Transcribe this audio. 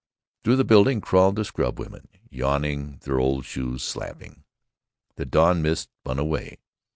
Through the building crawled the scrubwomen, yawning, their old shoes slapping. The dawn mist spun away.